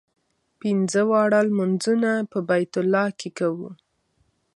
پنځه واړه لمونځونه په بیت الله کې کوو.